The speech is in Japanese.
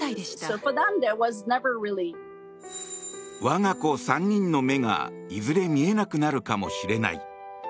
我が子３人の目が、いずれ見えなくなるかもしれない。